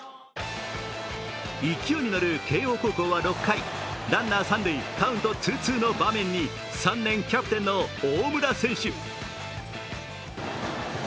勢いに乗る慶応高校は６回ランナー三塁、カウント２−２の場面にキャプテン・大村選手。